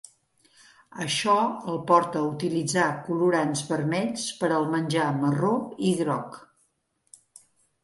Això el porta a utilitzar colorants vermells per al menjar marró i groc.